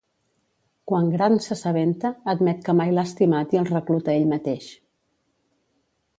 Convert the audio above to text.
Quan Grant s'assabenta, admet que mai l'ha estimat i el recluta ell mateix.